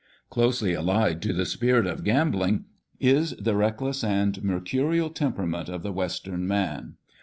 Closely allied to the spirit of gambling is the reckless and mercurial temperament of the Western man.